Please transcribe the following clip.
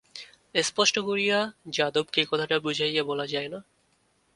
স্পষ্ট করিয়া যাদবকে কথাটা বুঝাইয়া বলা যায় না।